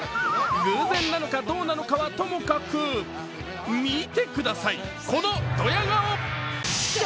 偶然なのかどうなのかはともかく見てください、このドヤ顔。